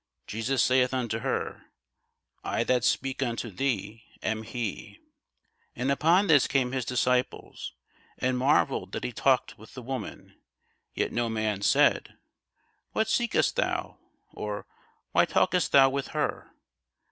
Jesus saith unto her, I that speak unto thee am he. And upon this came his disciples, and marvelled that he talked with the woman: yet no man said, What seekest thou? or, Why talkest thou with her?